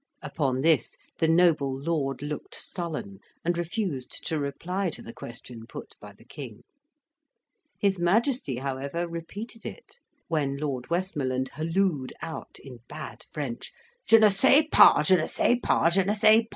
Upon this, the noble lord looked sullen, and refused to reply to the question put by the King. His Majesty, however, repeated it, when Lord Westmoreland hallooed out, in bad French, "Je ne sais pas, je ne sais pas, je ne sais pas."